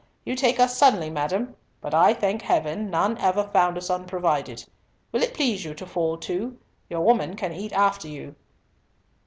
You take us suddenly, madam; but I thank Heaven, none ever found us unprovided. Will it please you to fall to? Your woman can eat after you."